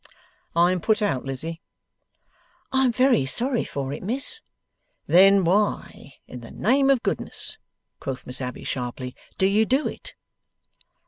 I am put out, Lizzie.' 'I am very sorry for it, Miss.' 'Then why, in the name of Goodness,' quoth Miss Abbey, sharply, 'do you do it?